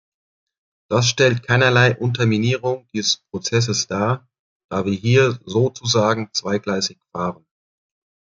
Das stellt keinerlei Unterminierung dieses Prozesses dar, da wir hier sozusagen zweigleisig fahren.